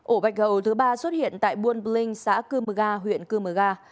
ổ bệnh hầu thứ ba xuất hiện tại buôn bình xã cư mơ ga huyện cư mơ ga